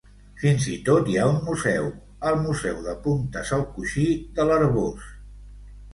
Fins i tot hi ha un museu, el Museu de Puntes al Coixí de l'Arboç.